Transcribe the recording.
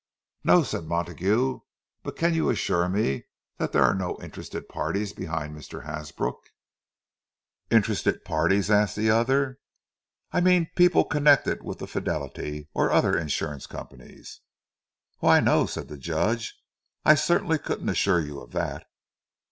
"No," said Montague, "but can you assure me that there are no interested parties behind Mr. Hasbrook?" "Interested parties?" asked the other. "I mean people connected with the Fidelity or other insurance companies." "Why, no," said the Judge; "I certainly couldn't assure you of that."